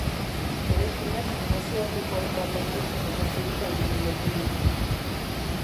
Eraikinak nazioarteko hainbat aitormen eta ziurtagiri lortu ditu.